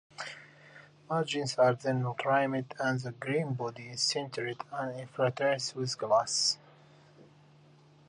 Margins are then trimed and the greenbody is sintered and infiltrated with glass.